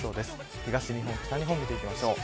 東日本、北日本見ていきましょう。